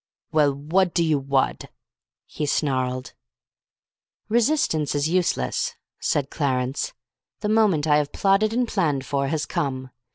"Well, whad do you wad?" he snarled. "Resistance is useless," said Clarence. "The moment I have plotted and planned for has come.